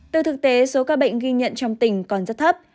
từ thực tế số ca bệnh ghi nhận trong tỉnh còn rất thấp